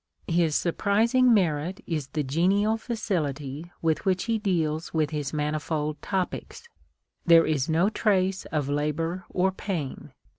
His surprising merit is the genial facility with which he deals with his manifold topics. There is no trace of labor or pain.